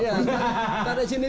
iya enggak ada di sini dikit